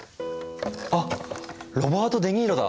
あっロバート・デ・ニーロだ。